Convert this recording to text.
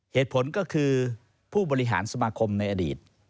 เหตุผลก็คือผู้บริหารสมาคมในอดีต